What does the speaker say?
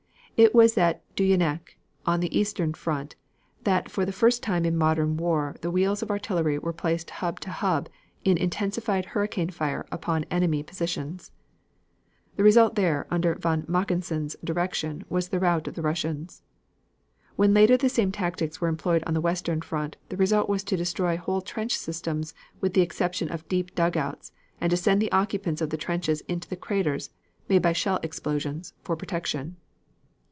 It was at Dunajec on the eastern front that for the first time in modern war the wheels of artillery were placed hub to hub in intensified hurricane fire upon enemy positions. The result there under von Mackensen's direction was the rout of the Russians. When later the same tactics were employed on the western front, the result was to destroy whole trench systems with the exception of deep dugouts, and to send the occupants of the trenches into the craters, made by shell explosions, for protection.